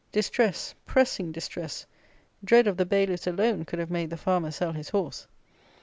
Distress; pressing distress; dread of the bailiffs alone could have made the farmer sell his horse.